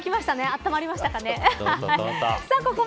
あったまりましたかね。